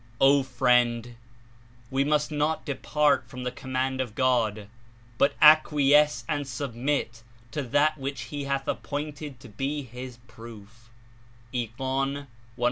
O friend, we must not depart from the command of God, but acquiesce and submit to that which he hath appointed to be His Proof."